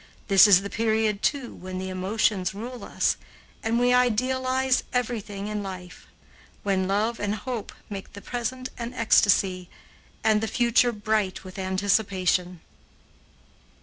This is the period, too, when the emotions rule us, and we idealize everything in life; when love and hope make the present an ecstasy and the future bright with anticipation.